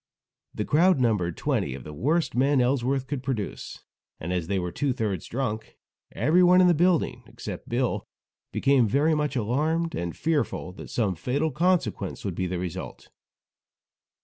The crowd numbered twenty of the worst men Ellsworth could produce, and as they were two thirds drunk, everyone in the building except Bill became very much alarmed, and fearful that some fatal consequences would be the result.